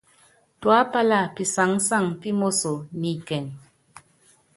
Tuápála pisáŋsaŋ pímoso ni ikɛŋ.